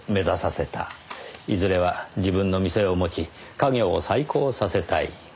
いずれは自分の店を持ち家業を再興させたい。